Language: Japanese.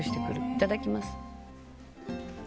いただきます。